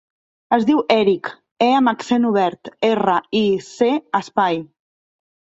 Es diu Èric : e amb accent obert, erra, i, ce, espai.